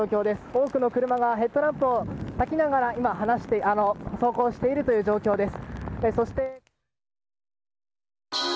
多くの車がヘッドランプをたきながら今、走行している状況です。